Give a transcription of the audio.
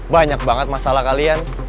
banyak banget masalah kalian